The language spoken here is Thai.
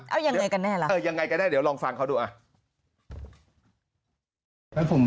เอาอย่างไรกันแน่ละอย่างไรกันแน่เดี๋ยวลองฟังเขาดู